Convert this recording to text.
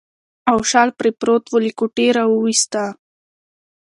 او شال پرې پروت و، له کوټې راوایسته.